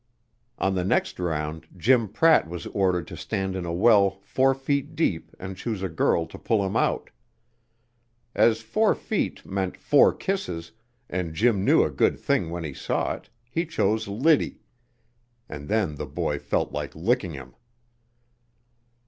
On the next round, Jim Pratt was ordered to stand in a well four feet deep and choose a girl to pull him out. As four feet meant four kisses, and Jim knew a good thing when he saw it, he chose Liddy. And then the boy felt like licking him.